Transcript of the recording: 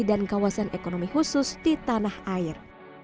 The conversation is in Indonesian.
dan kawasan ekonomi khusus di tanah air